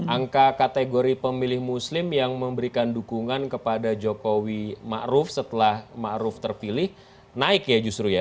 angka kategori pemilih muslim yang memberikan dukungan kepada jokowi ma'ruf setelah ma'ruf terpilih naik ya justru ya